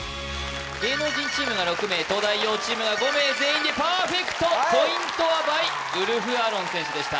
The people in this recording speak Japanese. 芸能人チームが６名東大王チームが５名全員でパーフェクトポイントは倍ウルフアロン選手でした